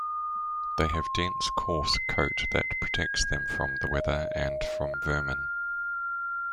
They have dense coarse coat that protects them from the weather and from vermin.